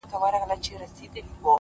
د وخت خدايان که چي زر ځلې په کافر وبولي!